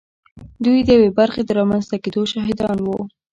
دوی د یوې برخې د رامنځته کېدو شاهدان وو